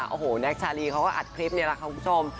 โอ้โหแน็กชาลีเขาก็อัดคลิปนี่แหละค่ะคุณผู้ชม